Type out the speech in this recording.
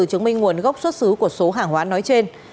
chứng minh nguồn gốc xuất xứ của số hàng hóa nói trên